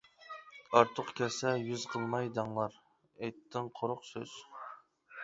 ئارتۇق كەتسە يۈز قىلماي دەڭلار: ئېيتتىڭ قۇرۇق سۆز!